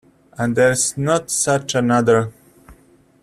And there's not such another.